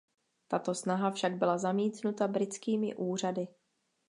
Tato snaha však byla zamítnuta britskými úřady.